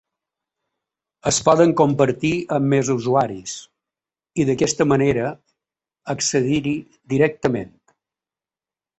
Es poden compartir amb més usuaris, i d’aquesta manera accedir-hi directament.